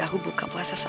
lagi gak ada salah